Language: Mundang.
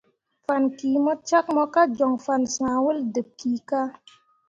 Fan ki mo cak mo ka joŋ fan sãh wol dǝb kika.